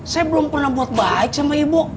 saya belum pernah buat baca sama ibu